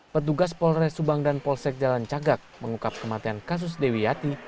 petugas polres subang dan polsek jalan cagak mengungkap kematian kasus dewi yati